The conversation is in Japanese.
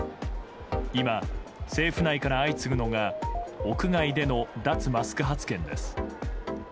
今、政府内から相次ぐのが屋外での脱マスク発言です。